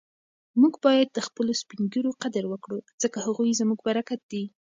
موږ باید د خپلو سپین ږیرو قدر وکړو ځکه هغوی زموږ برکت دی.